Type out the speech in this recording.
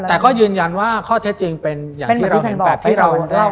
แต่ก็ยืนยันว่าข้อเทตจริงเป็นอย่างมิดแบบที่เราเล่า